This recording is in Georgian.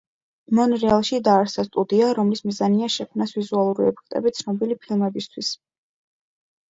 მონრეალში დაარსდა სტუდია, რომლის მიზანია შექმნას ვიზუალური ეფექტები ცნობილი ფილმებისთვის.